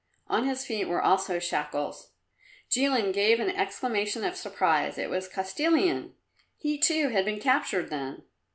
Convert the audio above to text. On his feet were also shackles. Jilin gave an exclamation of surprise. It was Kostilin. He, too, had been captured then.